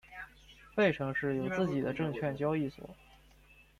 费城市有自己的证券交易所。